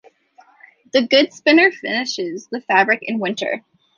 The good spinner finishes the fabric in winter.